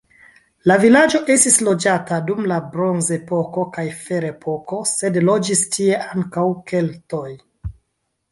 La vilaĝo estis loĝata dum la bronzepoko kaj ferepoko, sed loĝis tie ankaŭ keltoj.